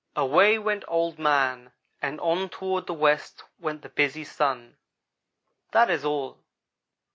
"Away went Old man, and on toward the west went the busy Sun. That is all.